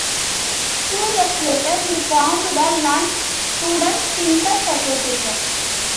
Two years later he formed the Lund Student Singers Association.